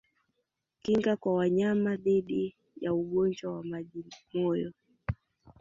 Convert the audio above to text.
Kinga kwa wanyama dhidi ya ugonjwa wa majimoyo